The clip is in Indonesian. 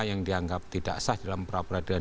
yang dianggap tidak sah dalam pra peradilan